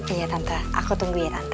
iya tante aku tunggu ya tante